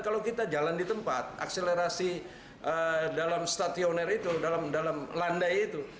kalau kita jalan di tempat akselerasi dalam stadioner itu dalam landai itu